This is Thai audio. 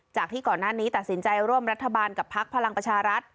ที่ก่อนหน้านี้ตัดสินใจร่วมรัฐบาลกับพักพลังประชารัฐ